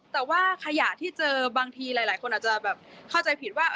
แต่ว่าขยะที่เจอบางทีหลายคนอาจจะแบบเข้าใจผิดว่า